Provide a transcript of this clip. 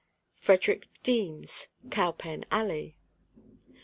FREDERICK DEEMS, Cowpen alley.